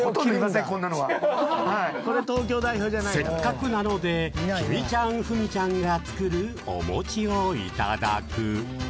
せっかくなのできみちゃん、ふみちゃんが作るお餅をいただく。